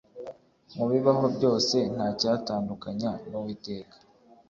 mubibaho byose ntacyantandukanya n' uwiteka